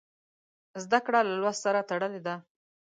زده کړه له لوست سره تړلې ده.